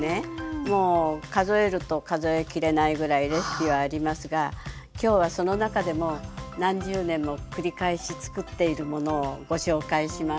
もう数えると数え切れないぐらいレシピはありますが今日はその中でも何十年も繰り返しつくっているものをご紹介します。